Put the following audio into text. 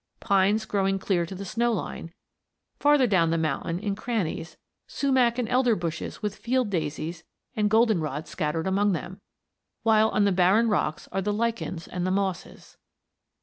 Pines growing clear to the snow line; farther down the mountain, in crannies, sumach and elder bushes with field daisies and goldenrod scattered among them; while on the barren rocks are the lichens and the mosses.